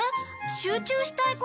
集中したいこと？